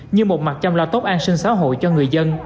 như một mặt trong lo tốt an sinh xã hội